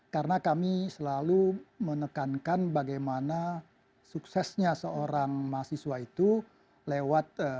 karena kami selalu menekankan bagaimana suksesnya seorang mahasiswa itu lewat pendidikan